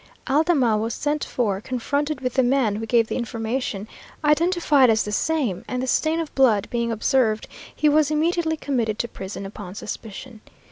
Aldama was sent for, confronted with the man who gave the information, identified as the same, and the stain of blood being observed, he was immediately committed to prison upon suspicion.